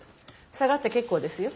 下がって結構ですよ。